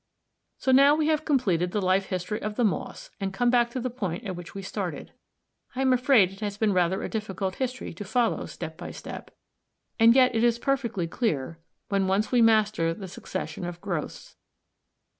So now we have completed the life history of the moss and come back to the point at which we started. I am afraid it has been rather a difficult history to follow step by step, and yet it is perfectly clear when once we master the succession of growths.